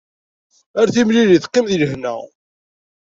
Ar timlilit, qqim deg lehna.